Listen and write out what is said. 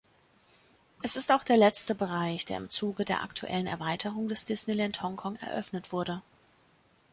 Es ist auch der letzte Bereich, der im Zuge der aktuellen Erweiterung des Disneyland Hongkong eröffnet wurde.